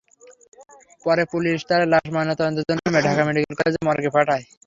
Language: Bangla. পরে পুলিশ তাঁর লাশ ময়নাতদন্তের জন্য ঢাকা মেডিকেল কলেজ মর্গে পাঠায়।